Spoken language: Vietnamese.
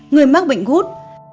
người mắc bệnh gút